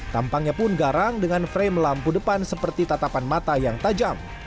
tampangnya pun garang dengan frame lampu depan seperti tatapan mata yang tajam